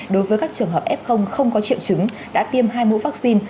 đối với các trường hợp f không có triệu chứng đã tiêm hai mũi vaccine